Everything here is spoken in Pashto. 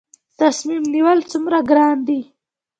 تصمیم نیول څومره ګران دي؟